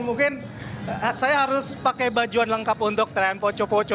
mungkin saya harus pakai bajuan lengkap untuk tren poco poco